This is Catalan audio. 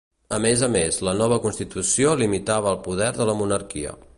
A més a més, la nova constitució limitava el poder de la monarquia.